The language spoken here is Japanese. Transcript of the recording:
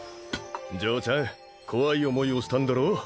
嬢ちゃん怖い思いをしたんだろう？